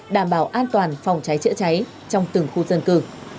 đảm bảo an toàn phòng cháy chữa cháy trong từng khu dân cư